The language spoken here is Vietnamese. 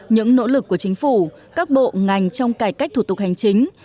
những nỗ lực của chính phủ các bộ ngành trong cải cách thủ tục hành chính